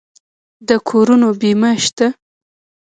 د کورونو بیمه شته؟